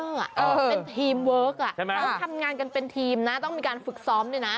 เป็นทีมเวิร์คเขาทำงานกันเป็นทีมนะต้องมีการฝึกซ้อมด้วยนะ